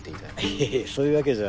いえいえそういうわけじゃ。